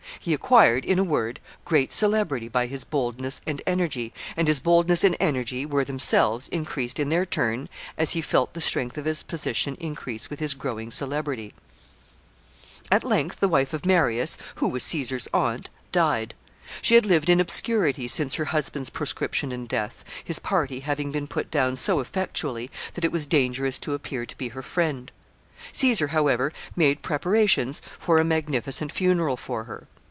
He acquired, in a word, great celebrity by his boldness and energy, and his boldness and energy were themselves increased in their turn as he felt the strength of his position increase with his growing celebrity. [Sidenote: Death of Marius's wife.] [Sidenote: Caesar's panegyric on Marius's wife.] [Sidenote: Its success.] At length the wife of Marius, who was Caesar's aunt, died. She had lived in obscurity since her husband's proscription and death, his party having been put down so effectually that it was dangerous to appear to be her friend. Caesar, however, made preparations for a magnificent funeral for her.